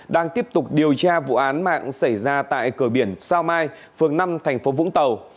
đang tiếp tục điều tra vụ án mạng xảy ra tại cửa biển sao mai phường năm thành phố vũng tàu